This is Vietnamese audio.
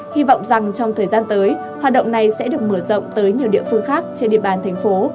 hy vọng rằng trong thời gian tới hoạt động này sẽ được mở rộng tới nhiều địa phương khác trên địa bàn thành phố